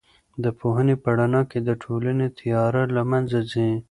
د پوهنې په رڼا کې د ټولنې تیاره له منځه ځي.